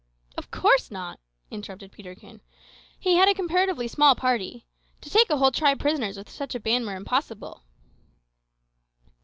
"Of course not," interrupted Peterkin; "he had a comparatively small party. To take a whole tribe prisoners with such a band were impossible."